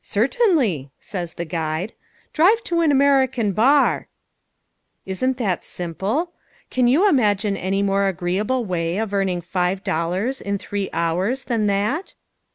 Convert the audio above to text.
"Certainly," says the guide. "Drive to an American bar." Isn't that simple? Can you imagine any more agreeable way of earning five dollars in three hours than that?